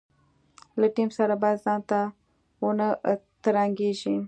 له ټیم سره باید ځانته ونه ترنګېږي.